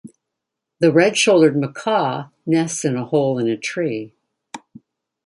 The red-shouldered macaw nests in a hole in a tree.